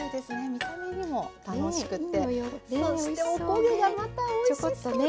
見た目にも楽しくてそしてお焦げがまたおいしそうですね。